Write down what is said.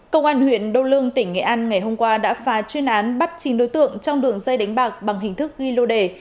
công an huyện đô lương tỉnh nghệ an ngày hôm qua đã phá chuyên án bắt chín đối tượng trong đường dây đánh bạc bằng hình thức ghi lô đề